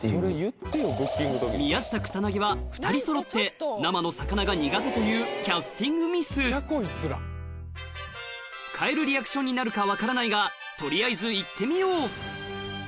２人そろってというキャスティングミス使えるリアクションになるか分からないが取りあえず行ってみよう！